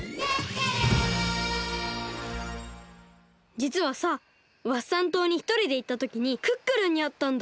じつはさワッサン島にひとりでいったときにクックルンにあったんだ。